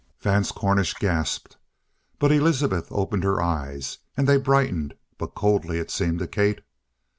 Vance Cornish gasped. But Elizabeth opened her eyes, and they brightened but coldly, it seemed to Kate.